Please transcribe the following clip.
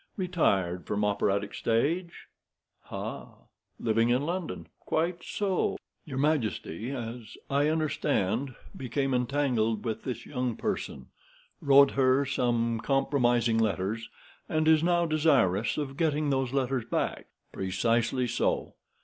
Retired from operatic stage—ha! Living in London—quite so! Your majesty, as I understand, became entangled with this young person, wrote her some compromising letters, and is now desirous of getting those letters back." "Precisely so.